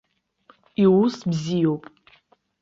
Иус бзиоуп.